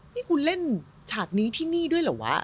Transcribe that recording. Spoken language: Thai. นี่คุณเล่นฉากนี้ที่นี่ด้วยเหรอวะ